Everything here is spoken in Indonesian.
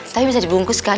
tapi bisa dibungkus kan